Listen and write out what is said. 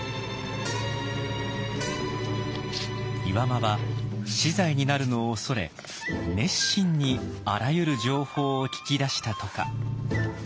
岩間は死罪になるのを恐れ熱心にあらゆる情報を聞き出したとか。